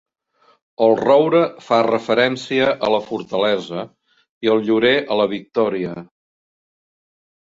El roure fa referència a la fortalesa, i el llorer a la victòria.